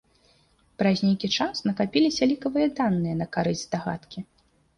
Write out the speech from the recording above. Праз нейкі час накапіліся лікавыя даныя на карысць здагадкі.